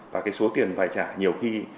và cái số tiền phải trả nhiều khi